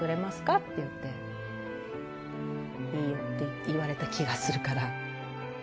っていって、いいよって言われた気がするから。